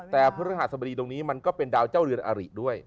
แต่พฤหัสบดีตรงนี้มันก็เป็นดาวเจ้าเรือนอาริด้วย